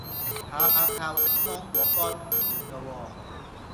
下下靠食芒果乾唔掂架喎